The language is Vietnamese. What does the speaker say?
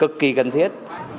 cực kỳ cần thiết